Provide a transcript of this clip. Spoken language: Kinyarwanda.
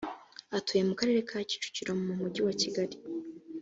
atuye mu karere ka kicukiro mu mujyi wa kigali